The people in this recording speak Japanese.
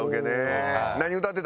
何歌ってた？